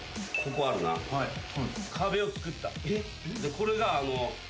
これが。